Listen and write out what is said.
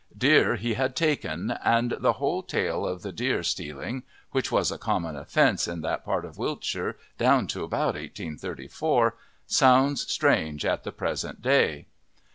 Deer he had taken; and the whole tale of the deer stealing, which was a common offence in that part of Wiltshire down to about 1834, sounds strange at the present day.